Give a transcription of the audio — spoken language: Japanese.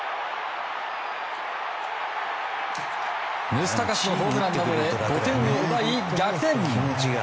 ムスタカスのホームランなどで５点を奪い逆転。